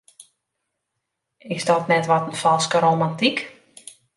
Is dat net wat in falske romantyk?